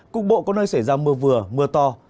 cục bộ có nơi xảy ra mưa vừa mưa to